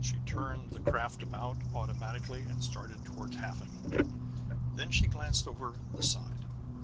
She turned the craft about automatically and started toward Hafen. Then she glanced over the side.